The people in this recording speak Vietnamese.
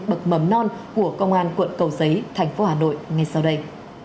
mục đích là trang bị thêm những bậc mầm non của công an quận cầu giấy thành phố hà nội ngay sau đây